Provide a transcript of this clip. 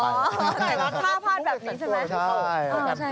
ภาพภาพแบบนี้ใช่ไหมใช่